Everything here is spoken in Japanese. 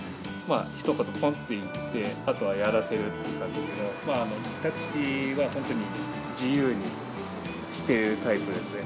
ひと言、ぽんと言って、あとはやらせるっていう感じですけど、拓志は本当に自由にしているタイプですね。